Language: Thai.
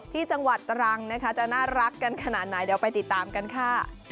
จังหวัดตรังนะคะจะน่ารักกันขนาดไหนเดี๋ยวไปติดตามกันค่ะ